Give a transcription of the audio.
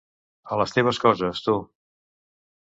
A les teves coses, tu.